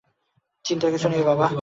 চিন্তার কিছু নেই, বাবা।